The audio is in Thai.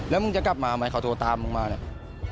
แล้วมึงจะกลับมาไหมเขาโทรตามมึงมาเนี่ย